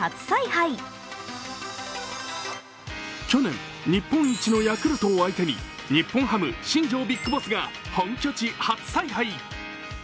去年、日本一のヤクルトを相手に日本ハム・新庄ビッグボスが本拠地初采配。